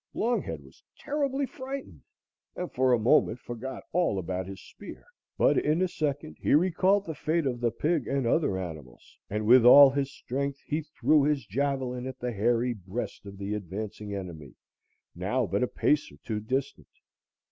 Longhead was terribly frightened, and for a moment forgot all about his spear, but in a second he recalled the fate of the pig and other animals and, with all his strength, he threw his javelin at the hairy breast of the advancing enemy, now but a pace or two distant.